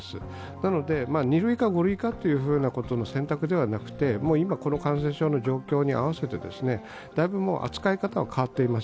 なので、二類か五類かという選択ではなくて今、この感染症の状況に合わせて扱い方は変わっています。